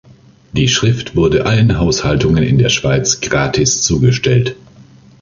Die Schrift wurde allen Haushaltungen in der Schweiz gratis zugestellt.